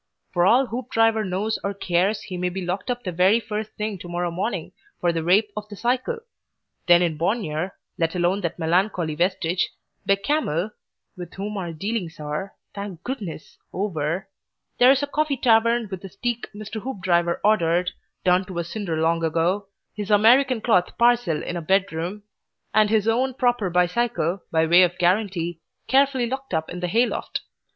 For all Hoopdriver knows or cares he may be locked up the very first thing to morrow morning for the rape of the cycle. Then in Bognor, let alone that melancholy vestige, Bechamel (with whom our dealings are, thank Goodness! over), there is a Coffee Tavern with a steak Mr. Hoopdriver ordered, done to a cinder long ago, his American cloth parcel in a bedroom, and his own proper bicycle, by way of guarantee, carefully locked up in the hayloft.